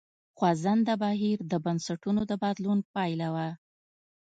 خوځنده بهیر د بنسټونو د بدلون پایله وه.